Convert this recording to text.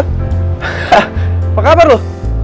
hah apa kabar lu